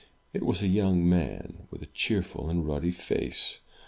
It was a young man, with a cheerful and ruddy face.